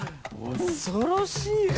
恐ろしいね。